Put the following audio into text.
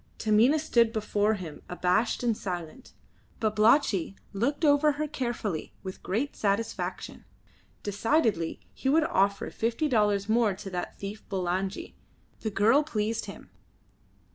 Taminah stood before him abashed and silent. Babalatchi looked her over carefully with great satisfaction. Decidedly he would offer fifty dollars more to that thief Bulangi. The girl pleased him.